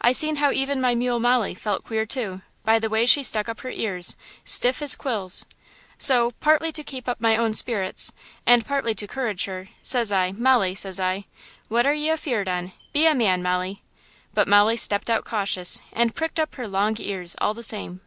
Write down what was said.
I seen how even my mule Molly felt queer, too, by the way she stuck up her ears, stiff as quills. So, partly to keep up my own spirits, and partly to 'courage her, says I, 'Molly,' says I, 'what are ye afeared on? Be a man, Molly!' But Molly stepped out cautious and pricked up her long ears all the same.